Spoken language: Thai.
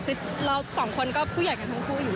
คือเราสองคนก็ผู้ใหญ่กันทั้งคู่อยู่